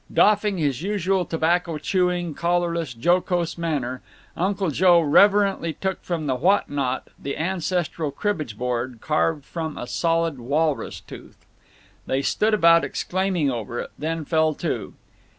Doffing his usual tobacco chewing, collarless, jocose manner, Uncle Joe reverently took from the what not the ancestral cribbage board, carved from a solid walrus tooth. They stood about exclaiming over it, then fell to.